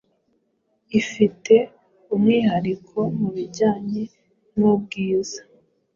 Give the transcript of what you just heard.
ifite umwihariko mu bijyanye n’ubwiza ...